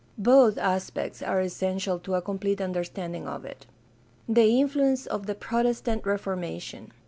Both aspects are essential to a complete under standing of it. The influence of the Protestant Reformation.